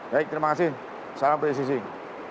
baik terima kasih salam breasurching